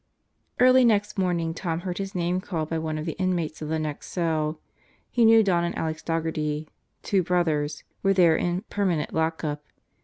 ... Early next morning Tom heard his name called by one of the inmates of the next cell. He knew Don and Alex Daugherty, two brothers, were there in "permanent lockup."